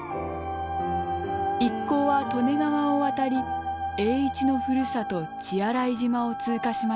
一行は利根川を渡り栄一のふるさと血洗島を通過しました。